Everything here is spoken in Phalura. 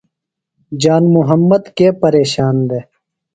جان محمد کے پیرشان دےۡ؟